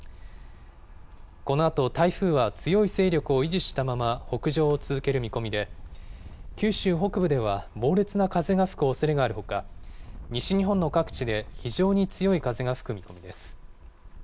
このあと台風は強い勢力を維持したまま、北上を続ける見込みで、九州北部では猛烈な風が吹くおそれがあるほか、西日本の各地で非常に強い風が吹く見込みです。